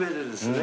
ね